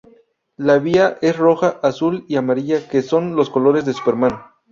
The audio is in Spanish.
La vía es roja, azul y amarilla, que son los colores de Superman.